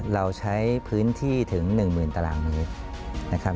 เราใช้พื้นที่ถึง๑๐๐๐ตารางเมตรนะครับ